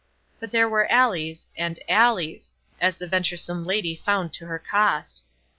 But there are alleys, and alleys, as the venturesome lady found to her cost.